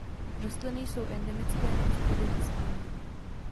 Rostliny jsou endemické na ostrově Tasmánie.